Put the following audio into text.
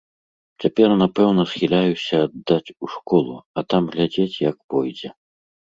Цяпер напэўна схіляюся аддаць у школу, а там глядзець, як пойдзе.